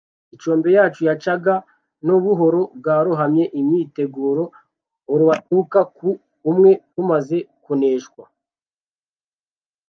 Icombo yacu yacaga no buhoro bwarohamye, imyiteguro olwatuuka ku umwe tumaze kuneshwa ,